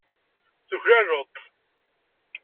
Tuklaleḍ-t.